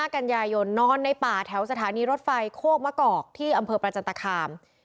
กันยายนนอนในป่าแถวสถานีรถไฟโคกมะกอกที่อำเภอประจันตคาม